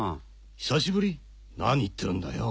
久しぶり⁉何言ってるんだよ。